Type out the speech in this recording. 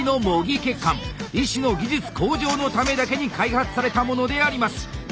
医師の技術向上のためだけに開発されたものであります。